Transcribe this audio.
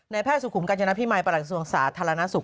ในแพทย์สุขุมกัญญาณภิมัยประหลักศึกษาธารณสุข